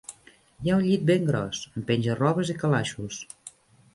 Hi ha un llit ben gros, amb penja-robes i calaixos.